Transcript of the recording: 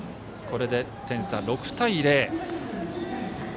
これで点差、６対０。